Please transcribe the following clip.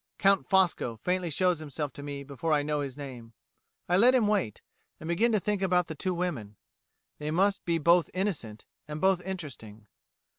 Count Fosco faintly shows himself to me before I know his name. I let him wait, and begin to think about the two women. They must be both innocent, and both interesting.